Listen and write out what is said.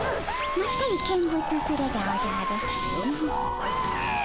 まったり見物するでおじゃる。